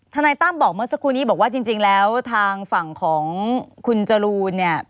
นายตั้มบอกเมื่อสักครู่นี้บอกว่าจริงแล้วทางฝั่งของคุณจรูนเนี่ย